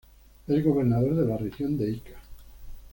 Es gobernador de la región de Ica.